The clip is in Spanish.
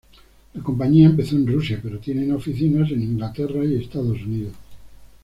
La compañía empezó en Rusia, pero tiene oficinas en Inglaterra y Estados Unidos.